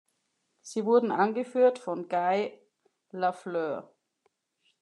Sie wurden angeführt von Guy Lafleur.